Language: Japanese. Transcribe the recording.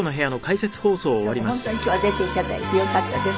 どうも本当に今日は出て頂いてよかったです。